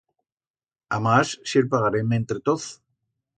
Amás, si el pagarem entre toz.